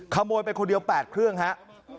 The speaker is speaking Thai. ขโมยไปคนเดียว๘เครื่องครับ